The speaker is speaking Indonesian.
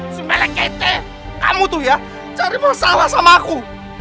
si melek ketik kamu tuh ya cari masalah sama aku